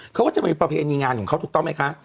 เขาก็จะมีประเพณีงานของเขาถูกต้องไหมคะ